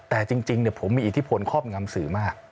แต่จริงผมมีอิทธิพลครอบงำสื่อมาก